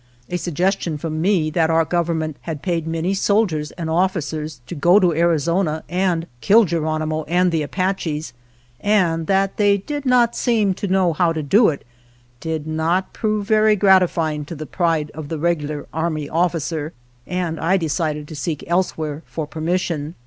A suggestion from me that our government had paid many soldiers and officers to go to Arizona and kill Geronimo and the Apaches, and that they did not seem to know how to do it, did not prove very gratifying to the pride of the regular army officer, and I decided to seek elsewhereTor permission.